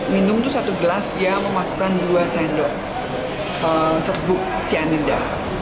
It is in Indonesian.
minum itu satu gelas dia memasukkan dua sendok serbuk sianida